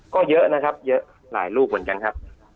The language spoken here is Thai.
ก็เยอะนะครับเยอะหลายลูกเหมือนกันครับ